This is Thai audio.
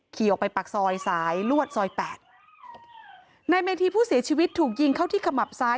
ขี่ออกไปปากซอยสายลวดซอยแปดนายเมธีผู้เสียชีวิตถูกยิงเข้าที่ขมับซ้าย